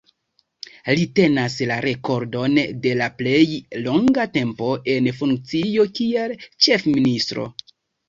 Li tenas la rekordon de la plej longa tempo en funkcio kiel Ĉefministro.